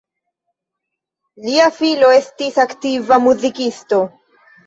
Lia filo estis aktiva muzikisto.